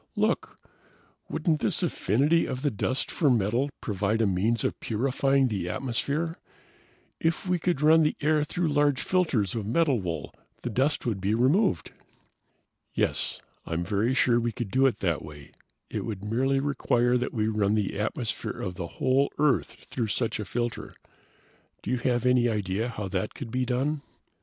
"Look wouldn't this affinity of the dust for metal provide a means of purifying the atmosphere? If we could run the air through large filters of metal wool, the dust would be removed!" "Yes, I'm very sure we could do it that way. It would merely require that we run the atmosphere of the whole Earth through such a filter. Do you have any idea how that could be done?"